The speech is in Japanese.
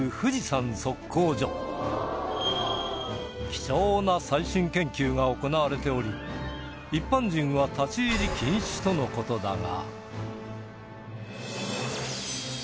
貴重な最新研究が行われており一般人は立ち入り禁止との事だが